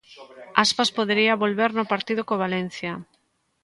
Aspas podería volver no partido co Valencia.